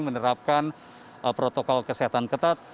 menerapkan protokol kesehatan ketat